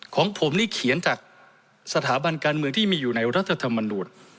ของผมนี่เขียนจากสถาบันการเมืองที่มีอยู่ในรัฐธรรมนูญ